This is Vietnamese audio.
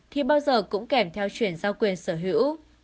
thì bao giờ cũng kèm theo chuyển giao quyền sở hữu